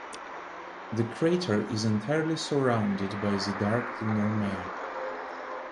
The crater is entirely surrounded by the dark lunar mare.